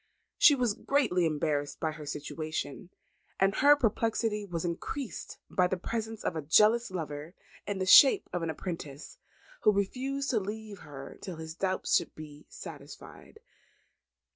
She was greatly embarrassed by her situation; and her perplexity was increased by the presence of a jealous lover in the shape of an apprentice, who refused to leave her till his doubts should be satisfied.